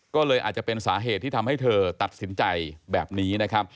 ก็เลยอาจจะเป็นสาเหตุที่ทำให้เธอตัดสินใจแบบนี้นะครับ